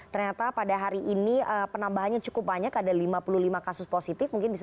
ternyata pada hari ini penambahannya cukup banyak